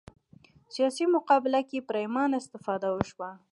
سیاسي مقابله کې پرېمانه استفاده وشوه